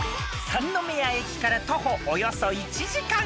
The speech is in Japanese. ［三宮駅から徒歩およそ１時間］